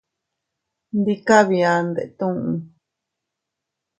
Ndi kabia ndetuu.